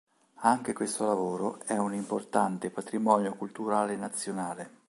Anche questo lavoro è un importante patrimonio culturale nazionale.